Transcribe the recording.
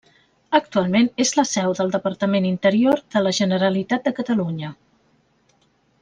Actualment és la seu del Departament d'Interior de la Generalitat de Catalunya.